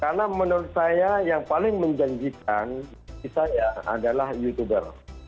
karena menurut saya yang paling menjanjikan di saya adalah youtuber